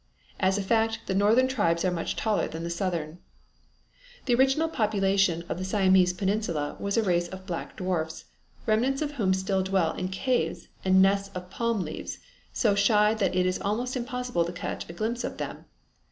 As a fact the northern tribes are much taller than the southern. The original population of the Siamese peninsula was a race of black dwarfs, remnants of whom still dwell in caves and nests of palm leaves, so shy that it is almost impossible to catch a glimpse of them.